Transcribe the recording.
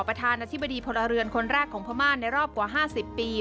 ประธานาธิบดีพลเรือนคนแรกของพม่าในรอบกว่า๕๐ปี